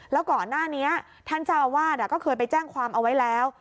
แล้วก่อนหน้านี้ท่านเจ้าอาวาสก็เคยไปแจ้งความเอาไว้แล้ว